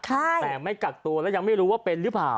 แต่ไม่กักตัวแล้วยังไม่รู้ว่าเป็นหรือเปล่า